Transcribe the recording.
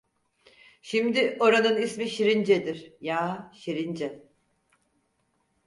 Şimdi oranın ismi Şirince'dir… Ya… Şirince…